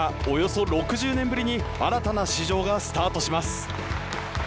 およそ６０年ぶりに新たな市場がスタートします。